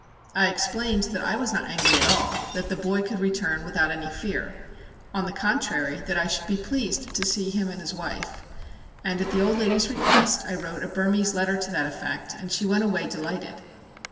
I explained that I was not angry at all, that the boy could return without any fear; on the contrary, that I should be pleased to see him and his wife. And, at the old lady's request, I wrote a Burmese letter to that effect, and she went away delighted.